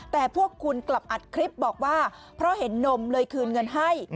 แต่พวกคุณกลับอัดคลิปบอกว่าเพราะเห็นนมเลยคืนเงินให้